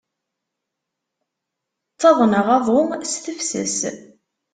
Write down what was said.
Ttaḍneɣ aḍu s tefses.